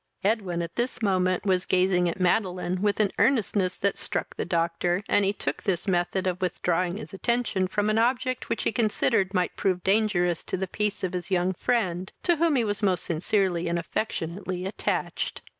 Edwin at this moment was gazing at Madeline with an earnestness that struck the doctor, and he took this method of withdrawing his attention from an object which he considered might prove dangerous to the peace of his young friend, to whom he was most sincerely and affectionately attached.